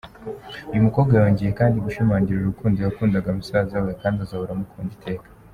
Uyu mukobwa yongeye kandi gushimangira urukundo yakundaga musaza we kandi azahora amukunda iteka.